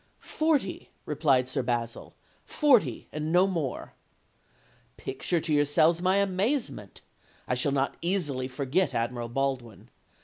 'Forty,' replied Sir Basil, 'forty, and no more.' Picture to yourselves my amazement: I shall not easily forget Admiral Baldwin.